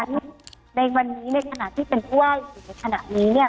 ในวันนี้ในขณะที่เป็นผู้ว่าอยู่ในขณะนี้เนี่ย